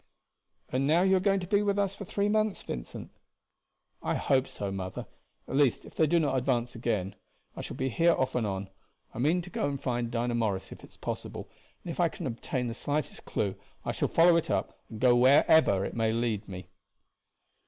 "And now you are going to be with us for three months, Vincent?" "I hope so, mother; at least if they do not advance again. I shall be here off and on. I mean to find Dinah Morris if it is possible, and if I can obtain the slightest clew I shall follow it up and go wherever it may lead me."